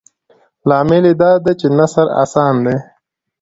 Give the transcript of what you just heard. لامل یې دادی چې نثر اسان دی.